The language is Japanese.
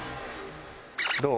どう？